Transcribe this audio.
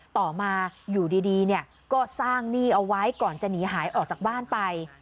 ต่อมาอยู่ดีก็สร้างหนี้เอาไว้ก่อนจะหนีหายออกจากบ้านไป